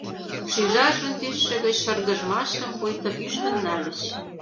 Шӱжаржын тӱсшӧ гыч шыргыжмашым пуйто ӱштын нальыч.